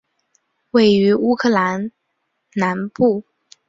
位于乌克兰南部。